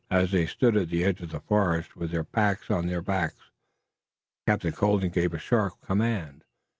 As they stood at the edge of the forest with their packs on their backs, Captain Colden gave a sharp command.